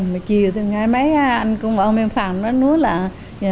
mà chiều từng ngày mấy anh cung và ông em phạm nó nuốt là có đồ ăn